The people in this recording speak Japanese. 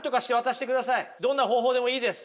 どんな方法でもいいです。